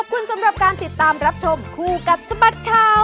ขอบคุณสำหรับการติดตามรับชมคู่กับสบัดข่าว